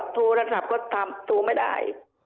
โทรศัพท์ก็ทำโทรไม่ได้